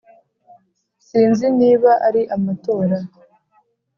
Sinzi niba ari amatora